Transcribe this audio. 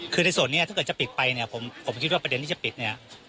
คือในส่วนนี้ถ้าเกิดจะปิดไปเนี่ยผมคิดว่าประเด็นที่จะปิดเนี่ย